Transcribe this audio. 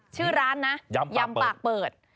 ชื่อร้านนะยำปากเปิด